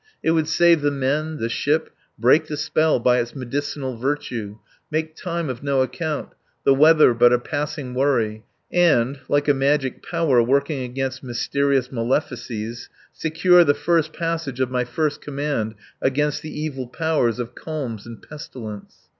It would save the men, the ship, break the spell by its medicinal virtue, make time of no account, the weather but a passing worry and, like a magic powder working against mysterious malefices, secure the first passage of my first command against the evil powers of calms and pestilence.